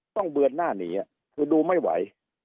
เบือนหน้าหนีคือดูไม่ไหว